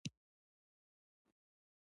دوی د لوړې تنخوا پرځای د ښه چاپیریال غوره کوي